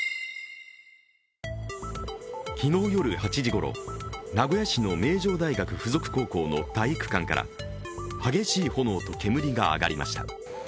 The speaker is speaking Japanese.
昨日夜８時ごろ、名古屋市の名城大学附属高校の体育館から激しい炎と煙が上がりました。